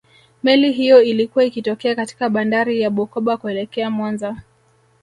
meli hiyo ilikuwa ikitokea katika bandari ya bukoba kuelekea mwanza